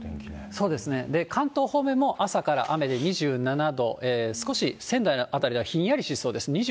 そうですね、関東方面も朝から雨で２７度、少し仙台辺りではひんやりしそうです。